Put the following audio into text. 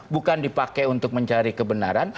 bukan dipakai untuk mencari kebenaran